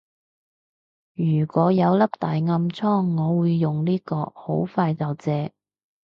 如果有粒大暗瘡我會用呢個，好快就謝